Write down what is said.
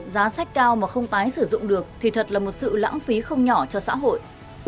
giá sách cao mà không tái sử dụng được thì thật là một sự lãng phí không nhỏ cho xã hội